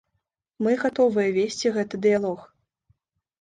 Мы гатовыя весці гэты дыялог.